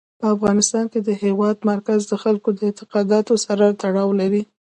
په افغانستان کې د هېواد مرکز د خلکو د اعتقاداتو سره تړاو لري.